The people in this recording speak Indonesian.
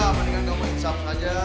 udah ah mendingan kamu insaf saja